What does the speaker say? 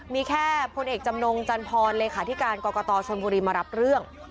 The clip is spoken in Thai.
มีแค่พลเอกจำนงจันทรเลขาธิการกรกตชนบุรีมารับเรื่อง